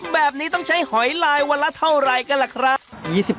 แบบนี้ต้องใช้หอยลายวันละเท่าไรกันล่ะครับ